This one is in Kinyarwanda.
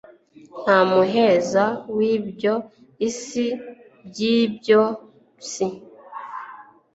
nta muheza w'ibyo isi. w'iby'isi